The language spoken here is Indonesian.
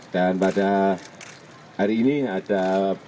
dan pada hari ini ada